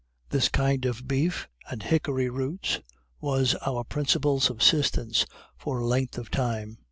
This kind of beef, and hickory roots, was our principal subsistence for a length of time.